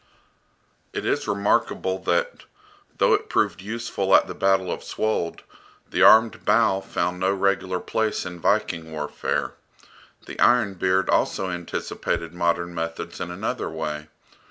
It is remarkable that, though it proved useful at the battle of Svold, the armed bow found no regular place in Viking warfare. The "Iron Beard" also anticipated modern methods in another way.